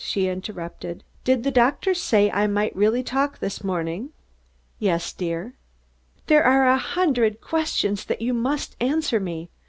she interrupted. "Did the doctor say I might really talk this morning?" "Yes, dear." "There are a hundred questions then that you must answer me.